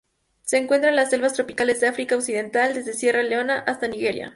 Se encuentra en las selvas tropicales del África Occidental, desde Sierra Leona hasta Nigeria.